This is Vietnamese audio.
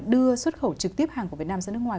đưa xuất khẩu trực tiếp hàng của việt nam ra nước ngoài